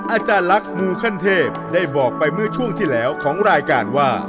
อาจารย์ลักษณ์มูขั้นเทพได้บอกไปเมื่อช่วงที่แล้วของรายการว่า